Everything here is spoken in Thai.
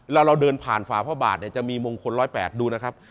แล้วเราเดินผ่านฝาพระบาทเนี่ยจะมีมงคล๑๐๘ดูนะครับ